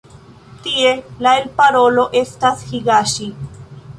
Tie la elparolo estas higaŝi.